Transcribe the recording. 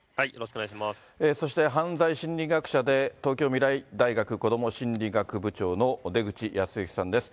そして犯罪心理学者で東京未来大学こども心理学部長の出口保行さんです。